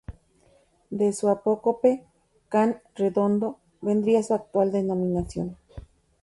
De su apócope Can Redondo vendría su actual denominación.